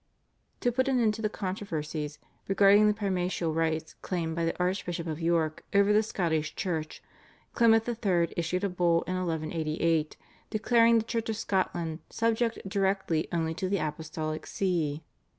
To put an end to the controversies regarding the primatial rights claimed by the Archbishop of York over the Scottish Church, Clement III. issued a Bull in 1188 declaring the Church of Scotland subject directly only to the Apostolic See.